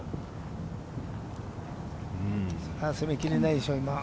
攻めきれないでしょ、今。